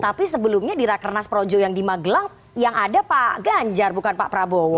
tapi sebelumnya di rakernas projo yang di magelang yang ada pak ganjar bukan pak prabowo